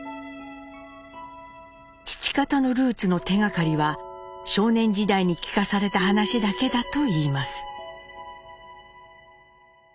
父方のルーツの手掛かりは少年時代に聞かされた話だけだといいます。